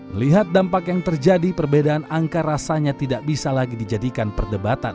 melihat dampak yang terjadi perbedaan angka rasanya tidak bisa lagi dijadikan perdebatan